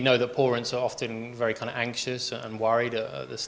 kita tahu bahwa pelanggan selalu sangat berangguran dan khawatir saat operasi